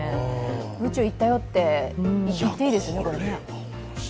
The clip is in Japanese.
宇宙行ったよって言っていいですよね。